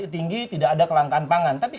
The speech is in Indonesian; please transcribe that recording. tinggi tidak ada kelangkaan pangan tapi